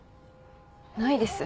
ないです